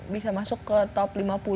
bisa masuk ke top lima puluh